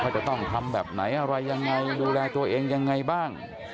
จะต้องทำแบบไหนอะไรยังไงดูแลตัวเองยังไงบ้าง